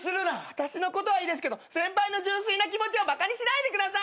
私のことはいいですけど先輩の純粋な気持ちをバカにしないでください！